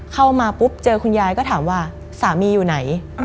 เข้ามาปุ๊บเจอคุณยายก็ถามว่าสามีอยู่ไหน